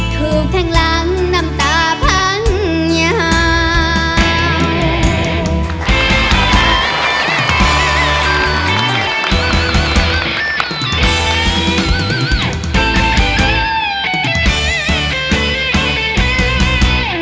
ทุกข้างล่างน้ำตาพันยาว